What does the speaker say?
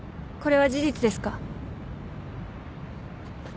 これは事実ですか？